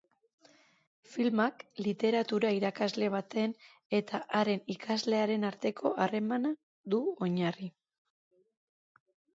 Filmak literatura irakasle baten eta haren ikaslearen arteko harremana du oinarri.